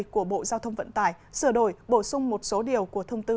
của bộ giao thông vận tải sửa đổi bổ sung một số điều của thông tư